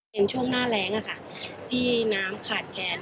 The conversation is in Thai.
เห็นช่วงหน้าแรงค่ะที่น้ำขาดแกน